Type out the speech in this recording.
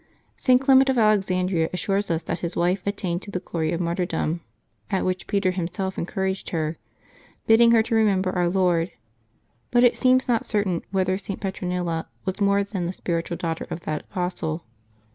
St. Clement of Alexandria assures us that his wife attained to the glory of martyrdom, at which Peter himself encouraged her, bidding her to remember Our Lord. But it seems not certain whether St. Petronilla was more than the spiritual daughter of that apostle.